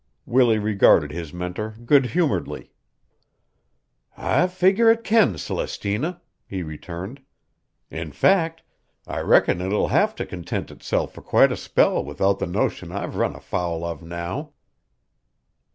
Willie regarded his mentor good humoredly. "I figger it can, Celestina," he returned. "In fact, I reckon it will have to content itself fur quite a spell without the notion I've run a foul of now."